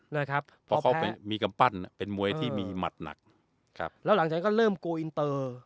นะครับเพราะเขาไปมีกำปั้นเป็นมวยที่มีหมัดหนักครับแล้วหลังจากนั้นก็เริ่มโกลอินเตอร์